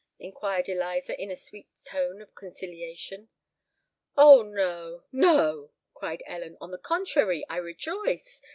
inquired Eliza, in a sweet tone of conciliation. "Oh! no—no," cried Ellen: "on the contrary, I rejoice!